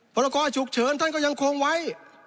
พรกรฉุกเฉินท่านก็ยังคงไว้